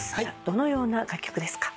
どのような楽曲ですか？